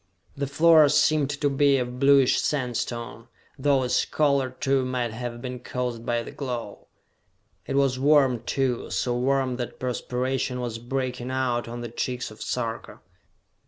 The floor seemed to be of bluish sandstone, though its color, too, might have been caused by the glow. It was warm, too, so warm that perspiration was breaking out on the cheeks of Sarka.